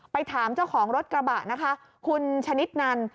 ถามเจ้าของรถกระบะนะคะคุณชนิดนัน